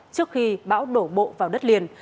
trước khi bão đổ bộ vào đất liền